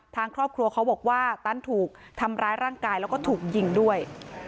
ทางครอบครัวเขาบอกว่าตันถูกทำร้ายร่างกายแล้วก็ถูกยิงด้วย